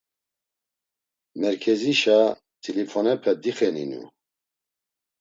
Merkezişa t̆ilifonepe dixeninu.